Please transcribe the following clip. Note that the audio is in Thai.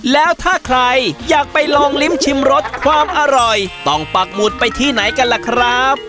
แล้วถ้าใครอยากไปลองลิ้มชิมรสความอร่อยต้องปักหมุดไปที่ไหนกันล่ะครับ